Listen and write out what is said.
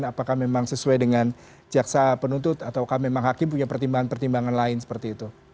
apakah memang sesuai dengan jaksa penuntut atau memang hakim punya pertimbangan pertimbangan lain seperti itu